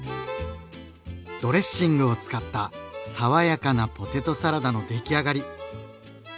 ドレッシングを使った爽やかなポテトサラダの出来上がり。